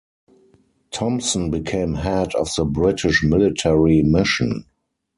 Thompson became head of the British Military Mission.